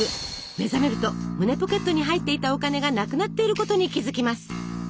目覚めると胸ポケットに入っていたお金がなくなっていることに気付きます。